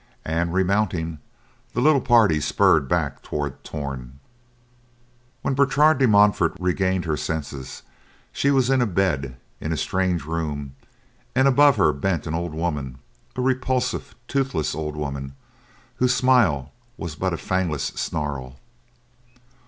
And, remounting, the little party spurred back toward Torn. When Bertrade de Montfort regained her senses, she was in bed in a strange room, and above her bent an old woman; a repulsive, toothless old woman, whose smile was but a fangless snarl.